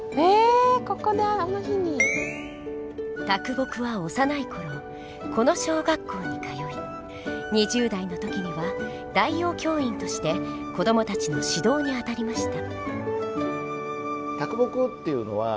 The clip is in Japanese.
木は幼い頃この小学校に通い２０代の時には代用教員として子どもたちの指導にあたりました。